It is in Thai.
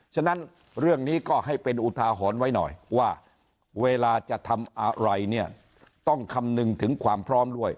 ฉะนั้นเรื่องนี้ก็ให้เป็นอุทาหรณ์ไว้หน่อยว่าเวลาจะทำอะไรเนี่ยต้องคำนึงถึงความพร้อมด้วย